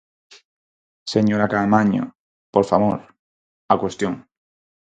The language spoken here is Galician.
Señora Caamaño, por favor, á cuestión.